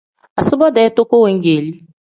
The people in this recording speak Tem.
Asubo-dee toko weegeeli.